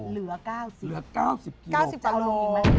เหลือ๙๐กิโล